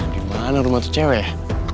di mana rumah tuh cewek ya